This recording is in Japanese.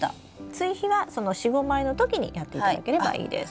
追肥はその４５枚の時にやっていただければいいです。